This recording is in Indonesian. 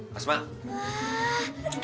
bisa buka sendiri